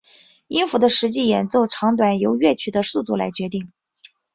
音符的实际演奏长短由乐曲的速度来决定。